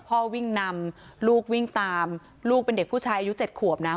พ่อวิ่งนำลูกวิ่งตามลูกเป็นเด็กผู้ชายอายุ๗ขวบนะ